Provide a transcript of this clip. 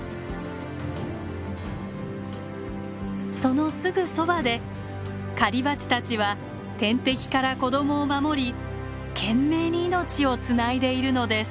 そのすぐそばで狩りバチたちは天敵から子供を守り懸命に命をつないでいるのです。